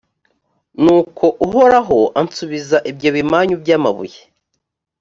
nuko uhoraho ansubiza ibyo bimanyu by’amabuye.